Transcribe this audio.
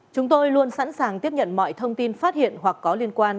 chúng tôi luôn sẵn sàng tiếp nhận mọi thông tin phát hiện hoặc có liên quan